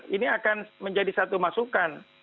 ini akan menjadi satu masukan